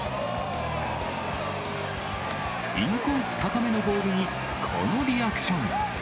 インコース高めのボールに、このリアクション。